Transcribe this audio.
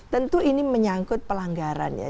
tentu ini menyangkut pelanggarannya